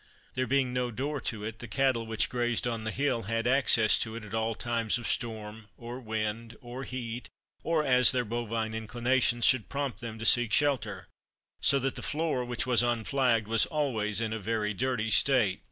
There being no door to it the cattle which grazed on the hill had access to it at all times of storm or wind or heat, or as their bovine inclinations should prompt them to seek shelter, so that the floor, which was unflagged, was always in a very dirty state.